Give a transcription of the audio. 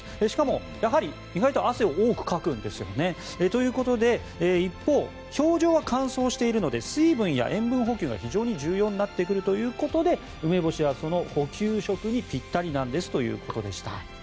しかも、やはり意外と汗を多くかくんですよね。ということで一方で氷上は乾燥しているので水分や塩分補給が非常に重要になってくるということで梅干しはその補給食にピッタリなんですということでした。